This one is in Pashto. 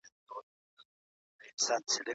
بې ادبه انسان سپک وي.